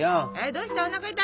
どうした？